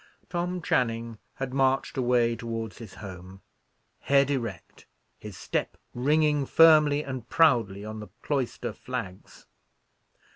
Tom Channing had marched away towards his home, head erect, his step ringing firmly and proudly on the cloister flags.